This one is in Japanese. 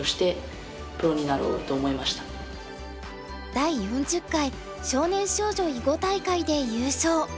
第４０回少年少女囲碁大会で優勝。